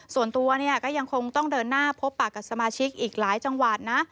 ส่วนตัวเนี่ยก็ยังคงต้องเดินหน้าพบปากกับสมาชิกอีกหลายจังหวัดนะ